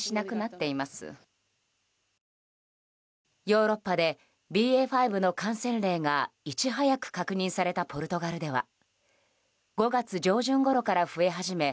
ヨーロッパでＢＡ．５の感染例がいち早く確認されたポルトガルでは５月上旬ごろから増え始め